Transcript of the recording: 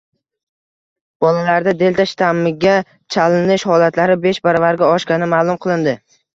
Bolalarda «delta» shtammiga chalinish holatlari besh baravarga oshgani ma'lum qilindi